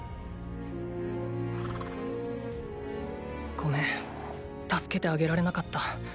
ごめん助けてあげられなかった。